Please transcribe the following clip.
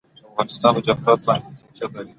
افغانستان په جواهرات باندې تکیه لري.